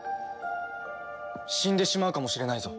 死んでしまうかもしれないぞ。